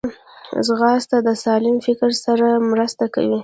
ځغاسته د سالم فکر سره مرسته کوي